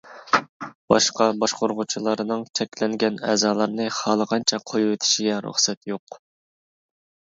باشقا باشقۇرغۇچىلارنىڭ چەكلەنگەن ئەزالارنى خالىغانچە قويۇۋېتىشىگە رۇخسەت يوق.